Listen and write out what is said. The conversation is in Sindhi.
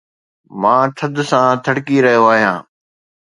مان ٿڌ سان ٿڙڪي رهيو آهيان